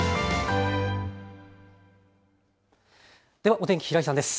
お天気、平井さんです。